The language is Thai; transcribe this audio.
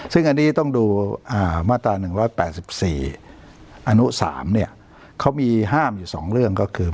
ซึ่งอันนี้ต้องดูมาตรา๑๘๔อนุ๓เขามีห้ามอยู่๒เรื่องก็คือ